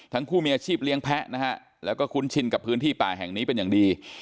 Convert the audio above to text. ทั้งคู่มีอาชีพเลี้ยงแพ้นะฮะแล้วก็คุ้นชินกับพื้นที่ป่าแห่งนี้เป็นอย่างดี